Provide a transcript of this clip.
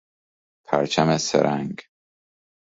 پرچم سه رنگ